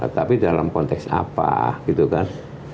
tapi dalam konteks apa gitu kan